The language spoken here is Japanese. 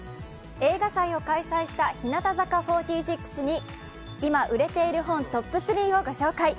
映画祭を開催した日向坂４６に今売れている本トップ３を御紹介。